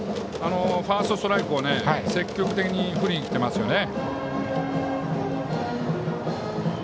ファーストストライクを積極的に振りに来てますね。